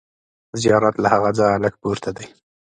زیارت له هغه ځایه لږ پورته دی.